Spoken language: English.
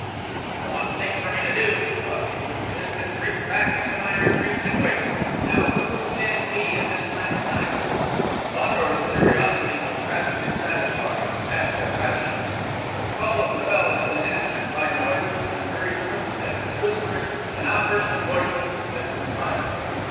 "The one thing for me to do," thought he, "is to creep back into my retreat and wait. Now who can it be at this time of night?" Fandor's curiosity was rapidly satisfied after a fashion! The call of the bell had been answered by noises and hurried footsteps, whisperings, an outburst of voices, then silence....